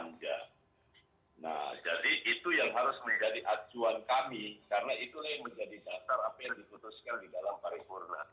nah jadi itu yang harus menjadi acuan kami karena itulah yang menjadi dasar apa yang diputuskan di dalam paripurna